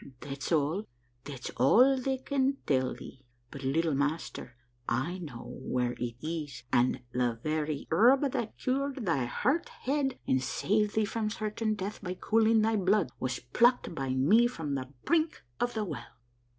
That's all. That's all they can tell thee. But, little master, I know where it is, and the very herb that cured thy hurt head and saved thee from certain death by cooling thy blood, was plucked by me from the brink of the well